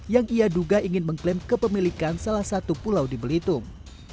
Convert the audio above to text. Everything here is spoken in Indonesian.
yang ia duga ingin mengklaim kepemilikan salah satu pulau di belitung